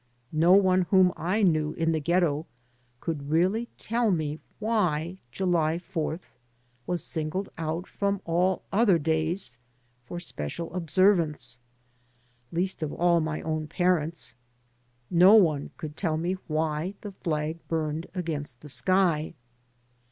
No one whom I knew in the ghetto could really tell me why July 4th was singled out from all other days for spe cial observance, least of all my own parents. No one could tell me why the flag burned against the sky.